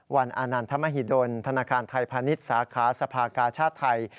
วันอานานธรรมหิดลธนาคารไทยพนิษฐ์สาขาสภากาชาติไทย